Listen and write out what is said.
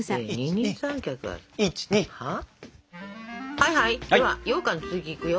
はいはいではようかんの続きいくよ。